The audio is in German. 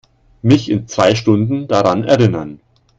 Mich in zwei Stunden daran erinnern.